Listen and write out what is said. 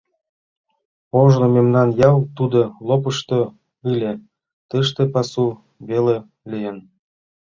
Ожно мемнан ял тудо лопышто ыле, тыште пасу веле лийын.